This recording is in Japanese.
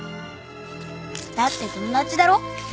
だって友達だろ？